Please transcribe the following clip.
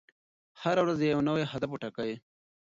هره ورځ یو نوی هدف وټاکئ.